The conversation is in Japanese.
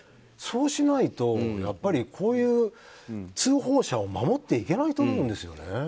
そうしないと、やっぱりこういう通報者を守っていけないと思うんですよね。